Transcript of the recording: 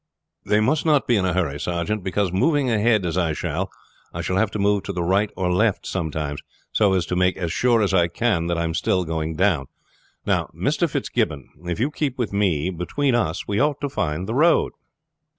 "They must not be in a hurry, sergeant; because moving ahead as I shall, I shall have to move to the right or left sometimes so as to make as sure as I can that I am still going down. Now, Mr. Fitzgibbon, if you keep with me, between us we ought to find the road."